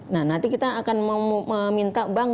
nah nanti kita akan meminta bank